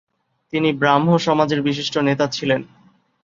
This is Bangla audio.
তিনি ব্রাহ্ম সমাজের বিশিষ্ট নেতা ছিলেন।